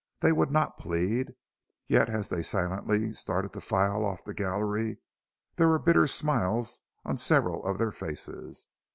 They would not plead, yet as they silently started to file off the gallery there were bitter smiles on several of their faces.